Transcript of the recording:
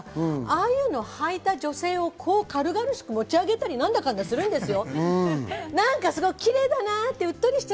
ああいうのを履いた女性を軽々しく持ち上げたり、なんだかんだするんですよ。